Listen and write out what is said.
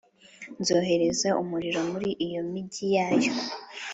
nzohereza umuriro muri iyo migi yayo,